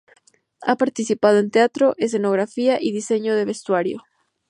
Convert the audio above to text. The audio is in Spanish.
Ha participado en teatro, escenografía y diseño de vestuario.